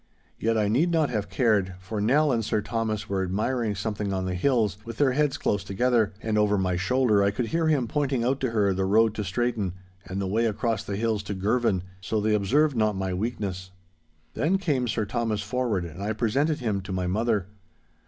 Yet I need not have cared, for Nell and Sir Thomas were admiring something on the hills, with their heads close together; and over my shoulder I could hear him pointing out to her the road to Straiton, and the way across the hills to Girvan—so they observed not my weakness. Then came Sir Thomas forward, and I presented him to my mother.